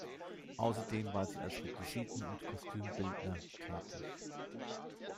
Außerdem war sie als Requisiten- und Kostümbildner tätig.